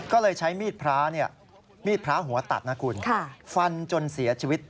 ก็เลยใช้มีดพระหัวตัดฟันจนเสียชีวิต